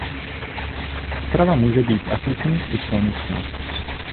Otrava může být akutní i chronická.